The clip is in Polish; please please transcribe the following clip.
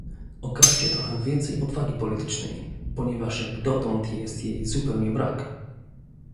okażcie trochę więcej odwagi politycznej, ponieważ jak dotąd jest jej zupełnie brak